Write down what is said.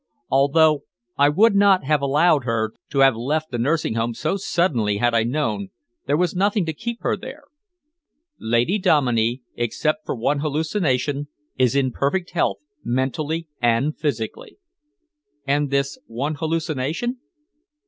"Although I would not have allowed her to have left the nursing home so suddenly had I known, there was nothing to keep her there. Lady Dominey, except for one hallucination, is in perfect health, mentally and physically." "And this one hallucination?"